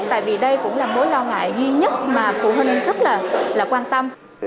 tại vì đây cũng là mối lo ngại duy nhất mà phụ huynh rất là quan tâm